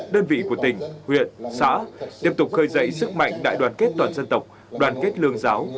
đơn vị của tỉnh huyện xã tiếp tục khơi dậy sức mạnh đại đoàn kết toàn dân tộc đoàn kết lương giáo